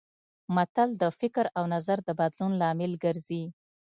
متل د فکر او نظر د بدلون لامل ګرځي